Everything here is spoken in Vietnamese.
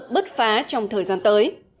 bất phá trong thời gian tới